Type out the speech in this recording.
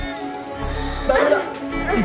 大丈夫だ。